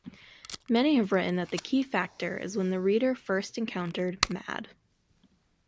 Many have written that the key factor is when the reader first encountered "Mad".